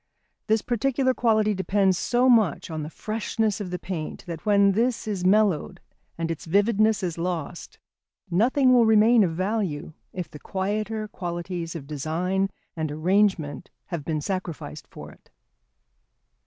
This particular quality depends so much on the freshness of the paint that when this is mellowed and its vividness is lost, nothing will remain of value, if the quieter qualities of design and arrangement have been sacrificed for it.